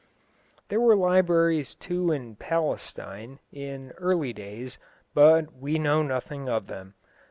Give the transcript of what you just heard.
There were libraries, too, in Palestine, in early days, but we know nothing of them.